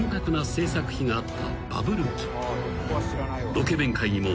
［ロケ弁界にも］